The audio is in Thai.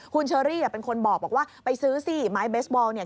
ก็เป็นคนบอกว่าไปซื้อซี่ไม้เบสบอลเนี่ย